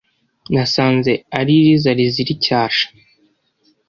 nasanze ari iriza rizira icyasha